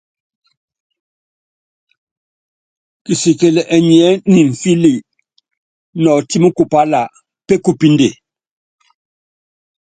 Kisikili ɛnyiɛ́ nimfíli nɔtími kupála, pékupínde.